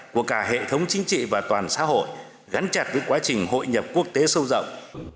của cả hệ thống chính trị và toàn xã hội gắn chặt với quá trình hội nhập quốc tế sâu rộng